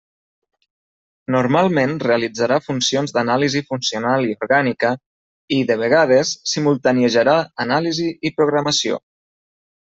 Normalment realitzarà funcions d'anàlisi funcional i orgànica i, de vegades, simultaniejarà anàlisi i programació.